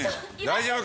大丈夫？